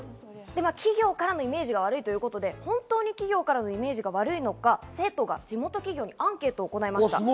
企業からのイメージが悪いということで、本当に企業からのイメージが悪いのか、生徒が地元企業にアンケートを行いました。